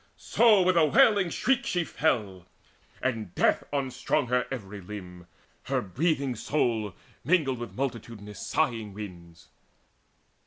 So with a wailing shriek she fell, and death Unstrung her every limb: her breathing soul Mingled with multitudinous sighing winds.